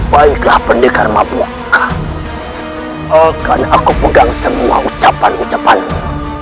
baiklah pendekar mabuka akan aku pegang semua ucapan ucapanmu